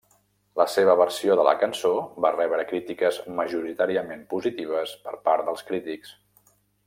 La seva versió de la cançó va rebre crítiques majoritàriament positives per part dels crítics.